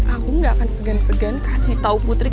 aku gak akan segan segan kasih tau putri